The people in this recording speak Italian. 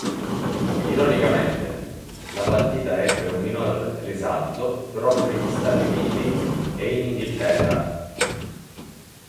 Ironicamente, la partita ebbe un minor risalto proprio negli Stati Uniti e in Inghilterra.